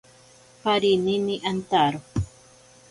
Parinini antaro.